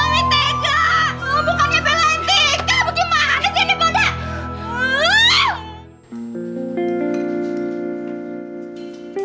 bukannya si anek boda